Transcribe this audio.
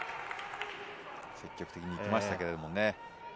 積極的に行ってましたけどね。